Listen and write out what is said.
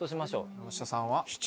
山下さんは？